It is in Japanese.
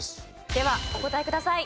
ではお答えください。